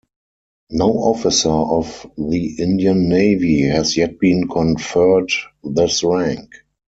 No officer of the Indian Navy has yet been conferred this rank.